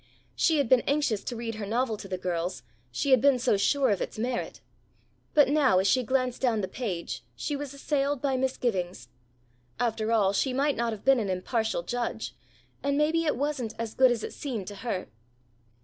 She had been anxious to read her novel to the girls, she had been so sure of its merit. But now as she glanced down the page she was assailed by misgivings. After all she might not have been an impartial judge, and maybe it wasn't as good as it seemed to her.